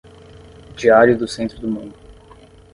Diário do Centro do Mundo